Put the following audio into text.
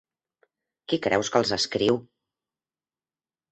Qui creus que els escriu?